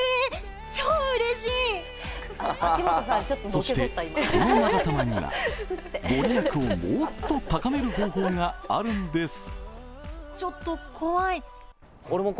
そして、このまが玉には御利益をもっと高める方法があるんです。